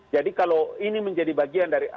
jadi kalau ini menjadi bagian dari